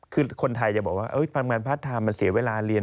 คือคนไทยจะบอกว่าพลังงานพาร์ทไทม์มันเสียเวลาเรียน